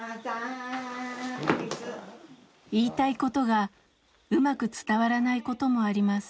言いたいことがうまく伝わらないこともあります。